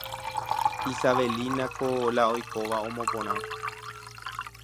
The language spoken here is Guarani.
Isabelínako la oikóva omoporã.